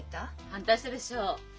反対したでしょう？